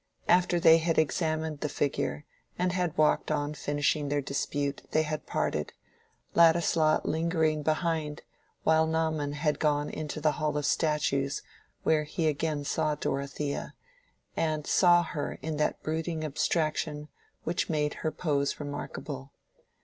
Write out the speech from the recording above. After they had examined the figure, and had walked on finishing their dispute, they had parted, Ladislaw lingering behind while Naumann had gone into the Hall of Statues where he again saw Dorothea, and saw her in that brooding abstraction which made her pose remarkable.